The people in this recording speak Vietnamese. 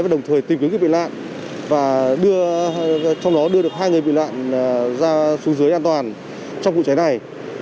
và đồng thời tìm kiếm những bị lạc và trong đó đưa được hai người bị lạc ra xuống dưới an toàn trong vụ cháy này